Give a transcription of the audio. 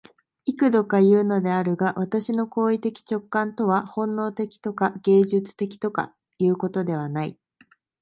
幾度かいうのであるが、私の行為的直観とは本能的とか芸術的とかいうことではない。